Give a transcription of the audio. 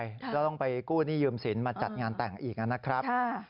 ก็ต้องไปกู้หนี้ยืมสินมาจัดงานแต่งอีกนะครับ